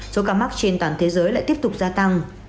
số ca mắc trên toàn thế giới lại tiếp tục gia tăng